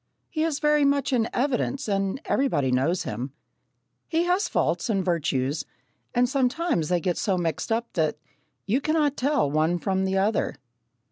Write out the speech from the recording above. He is very much in evidence and everybody knows him. He has faults and virtues, and sometimes they get so mixed up that "you cannot tell one from t'other."